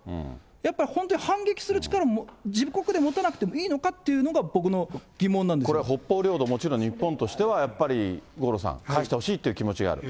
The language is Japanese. やっぱり本当に反撃する力を、自国で持たなくてもいいのかっていこれ北方領土もちろん、日本としてはやっぱり五郎さん、返してほしいという気持ちがある。